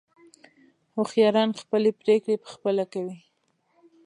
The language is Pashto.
هوښیاران خپلې پرېکړې په خپله کوي.